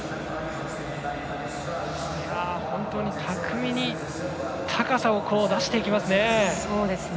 本当に巧みに高さを出していきますね。